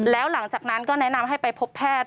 แล้วหลังจากนั้นก็แนะนำให้ไปพบแพทย์